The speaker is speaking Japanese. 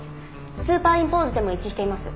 スーパーインポーズでも一致しています。